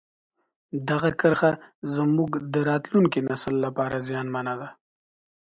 دغه کرښه زموږ د راتلونکي نسل لپاره زیانمنه ده.